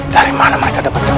dari mana mereka dapatkan ini